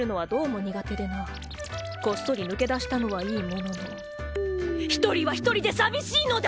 こっそり抜け出したのはいいものの一人は一人で寂しいのだ！